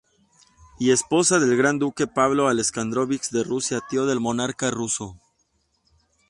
Y esposa del Gran Duque Pablo Aleksándrovich de Rusia, tío del monarca ruso.